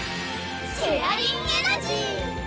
シェアリンエナジー！